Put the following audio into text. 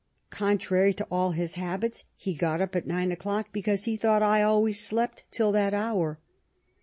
Contrary to all his habits, he got up at nine o'clock, because he thought I always slept till that hour.